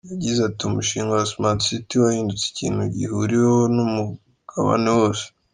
Yagize ati “Umushinga wa Smart City wahindutse ikintu gihuriweho n’umugabane wose.